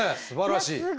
すばらしい。